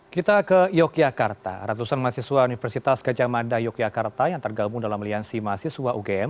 kita ke yogyakarta ratusan mahasiswa universitas gajah mada yogyakarta yang tergabung dalam aliansi mahasiswa ugm